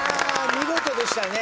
見事でしたね